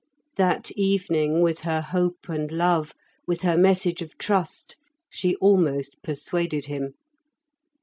That evening, with her hope and love, with her message of trust, she almost persuaded him.